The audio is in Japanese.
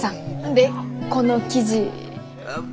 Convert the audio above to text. でこの記事。